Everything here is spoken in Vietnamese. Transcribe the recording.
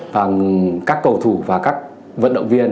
và các cầu thủ và các vận động viên